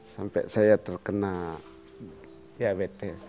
sampai saya terkena diabetes